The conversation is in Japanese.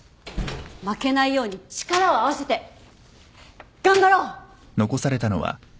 負けないように力を合わせて頑張ろう！